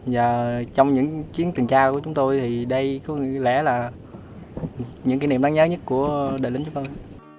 và trong những chiến tình trao của chúng tôi thì đây có lẽ là những kỷ niệm đáng nhớ nhất của đời lính chúng tôi